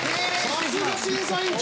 ・さすが審査員長！